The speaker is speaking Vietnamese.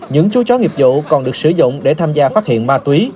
những chú chó nghiệp vụ còn được sử dụng để tham gia phát hiện má tý